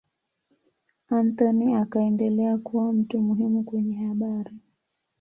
Anthony akaendelea kuwa mtu muhimu kwenye habari.